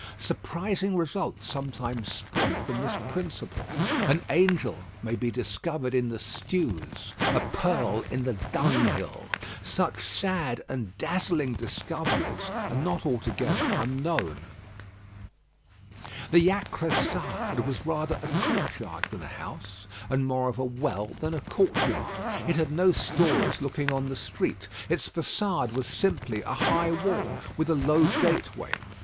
Surprising results sometimes spring from this principle. An angel may be discovered in the stews; a pearl in the dunghill. Such sad and dazzling discoveries are not altogether unknown. The Jacressade was rather a courtyard than a house; and more of a well than a courtyard. It had no stories looking on the street. Its façade was simply a high wall, with a low gateway.